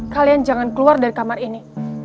kalian jangan keluar dari kamar ini